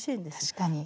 確かに。